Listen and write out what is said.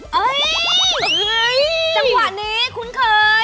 จังหวะนี้คุ้นเคย